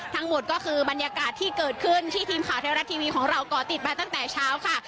ทั้งหมดก็คือบรรยากาศที่เกิดขึ้นที่ทีมข่าวไทยรัฐทีวีของเราก่อติดมาตั้งแต่เช้าค่ะ